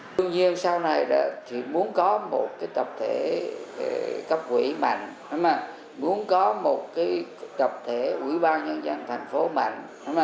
tương nhiên sau này thì muốn có một tập thể cấp quỹ mạnh muốn có một tập thể ủy ban nhân dân thành phố mạnh